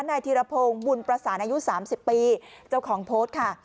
นายธีรพงศ์บุญประสานอายุ๓๐ปีเจ้าของโพสต์ค่ะ